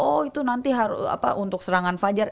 oh itu nanti untuk serangan fajar